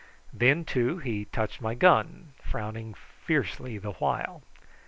Then, too, he touched my gun, frowning fiercely the while.